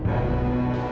ada apa sih